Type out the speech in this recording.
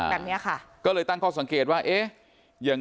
แบบนี้ค่ะก็เลยตั้งข้อสังเกตว่าเอ๊ะอย่าง